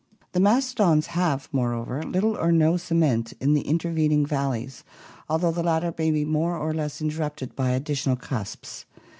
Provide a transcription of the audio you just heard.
The mastodons have, moreover, little or no cement in the intervening valleys, although the latter may be more or less interrupted by additional cusps.